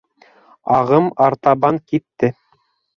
Ағым артабан китте.